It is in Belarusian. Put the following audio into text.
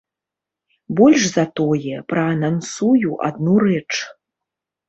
Больш за тое, праанансую адну рэч.